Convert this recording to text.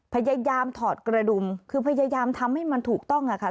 พยายามถอดกระดุมคือพยายามทำให้มันถูกต้องอะค่ะ